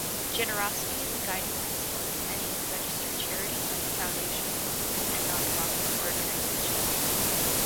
Generosity is a guiding principle for many registered charities, foundations, and non-profit organizations.